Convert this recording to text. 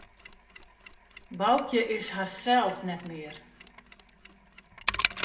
Boukje is harsels net mear.